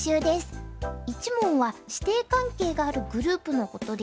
一門は師弟関係があるグループのことです。